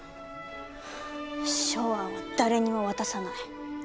ショウアンは誰にも渡さない！